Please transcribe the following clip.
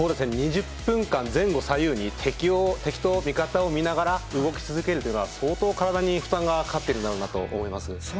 ２０分間前後左右に敵と味方を見ながら動き続けるというのは相当、体に負担がかかっていると思います。